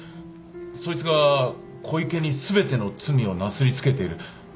そいつが小池に全ての罪をなすり付けている。